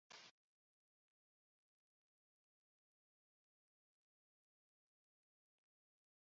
উত্তেজিত হলেই এটি দংশন করে।